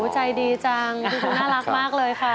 ใจดีจังน่ารักมากเลยค่ะ